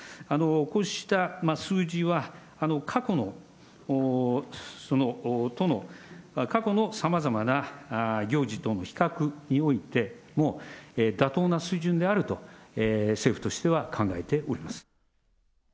こうした数字は、過去のさまざまな行事との比較においても、妥当な水準であると、政府としては考えております。